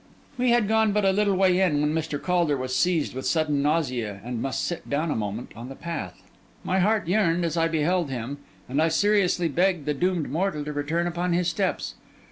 We had gone but a little way in, when Mr. Caulder was seized with sudden nausea, and must sit down a moment on the path. My heart yearned, as I beheld him; and I seriously begged the doomed mortal to return upon his steps.